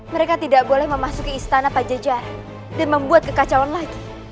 mereka tidak boleh masuk ke istana pajajara dan membuat kekacauan lagi